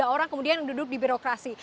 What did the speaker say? tiga orang kemudian yang duduk di burokrasi